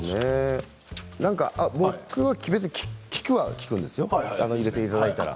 僕は結構、聞くは聞くんですよ入れていただいたら。